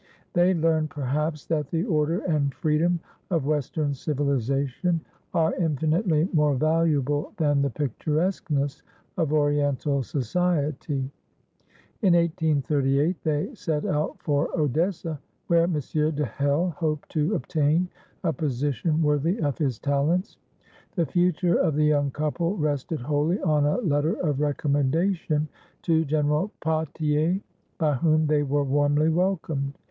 They learned, perhaps, that the order and freedom of Western civilization are infinitely more valuable than the picturesqueness of Oriental society. In 1838 they set out for Odessa, where Monsieur de Hell hoped to obtain a position worthy of his talents. The future of the young couple rested wholly on a letter of recommendation to General Potier, by whom they were warmly welcomed.